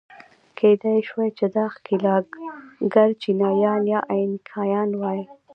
کېدای شوای چې دا ښکېلاکګر چینایان یا اینکایان وای.